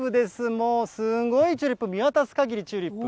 もうすごいチューリップ、見渡すかぎりチューリップ。